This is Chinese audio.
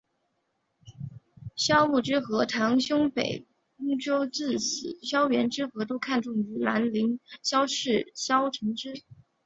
萧摹之和堂兄北兖州刺史萧源之都很看重同出兰陵萧氏的萧承之。